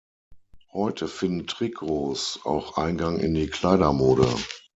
Heute finden Trikots auch Eingang in die Kleidermode.